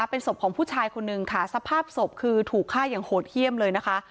เป็นศพของผู้ชายคนนึงค่ะสภาพศพคือถูกฆ่าอย่างโหดเยี่ยมเลยนะคะ